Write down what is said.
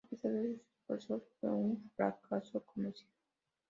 A pesar de sus esfuerzos, fue un fracaso comercial.